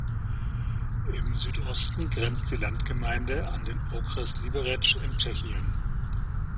Im Südosten grenzt die Landgemeinde an den Okres Liberec in Tschechien.